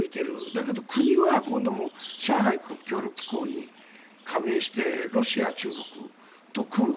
だけど国は上海協力機構に加盟してロシア、中国と組む。